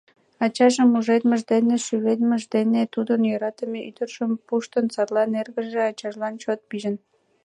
Ачаже мужедмыж дене, шӱведымыж дене тудын йӧратыме ӱдыржым пуштын, садлан эргыже ачажлан чот пижын.